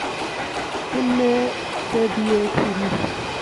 ان میں سے بھی ایک سیریز